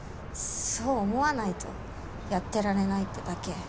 そう思わないとやってられないってだけ。